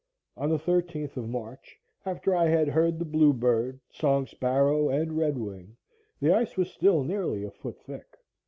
On the 13th of March, after I had heard the bluebird, song sparrow, and red wing, the ice was still nearly a foot thick.